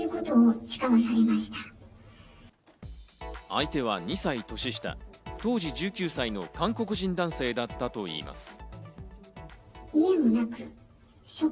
相手は２歳年下、当時１９歳の韓国人男性だったといいます。